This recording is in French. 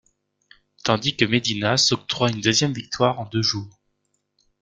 Tandis que Medina s'octroie une deuxième victoire en deux jours.